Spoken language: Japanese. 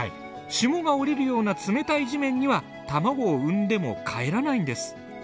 霜が降りるような冷たい地面には卵を産んでもかえらないんです。